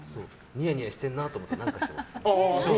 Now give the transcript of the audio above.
ニヤニヤしてるなと思ったら何かしてます。